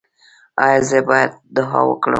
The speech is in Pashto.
ایا زه باید دعا وکړم؟